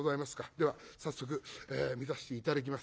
では早速見させて頂きます。